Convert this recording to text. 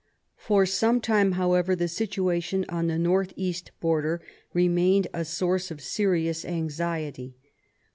For some time, however, the situation on the north east border remained a source of serious anxiety.